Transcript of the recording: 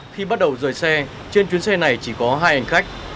khi bắt đầu rời xe trên chuyến xe này chỉ có hai hành khách